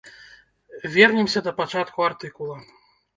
Вернемся да пачатку артыкула.